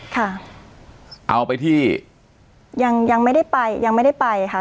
ค่ะเอาไปที่ยังยังไม่ได้ไปยังไม่ได้ไปค่ะ